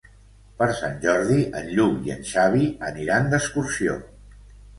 Per Sant Jordi en Lluc i en Xavi aniran d'excursió.